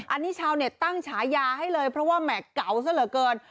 อันนี้ชาวตั้งฉายาให้เลยเพราะว่าแหม่เก๋าเสียเกิน